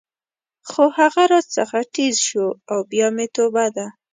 خو هغه راڅخه ټیز شو او بیا مې توبه ده.